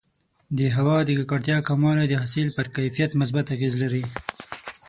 د هوا د ککړتیا کموالی د حاصل پر کیفیت مثبت اغېز لري.